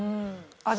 味